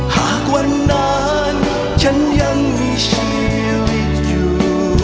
หากวันนั้นฉันยังมีชีวิตอยู่